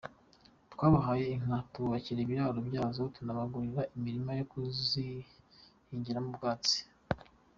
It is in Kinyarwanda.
Twabahaye inka, tububakira ibiraro byazo tunabagurira imirima yo kuzihingiramo ubwatsi.